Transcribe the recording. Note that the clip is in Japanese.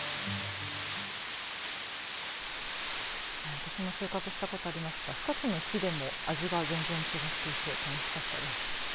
私も収穫したことありますが一つの木でも味が全然違っていて楽しかったです。